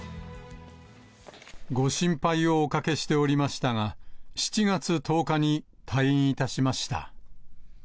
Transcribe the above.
ご心配をおかけしておりましたが、７月１０日に退院いたしました。